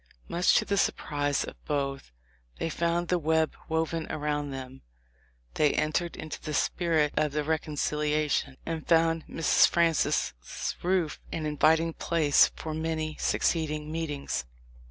Much to the surprise of both they found the web woven around them. They entered into the spirit of the reconciliation, and found Mrs. Francis' roof an inviting place for many succeeding meetings.